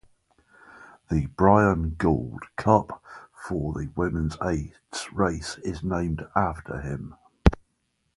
The "Bryan Gould Cup" for the women's eights race is named after him.